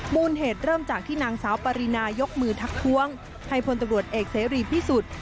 มูลเหตุเริ่มจากที่นางสาวปรินายกมือทักท้วงให้พลตำรวจเอกเสรีพิสุทธิ์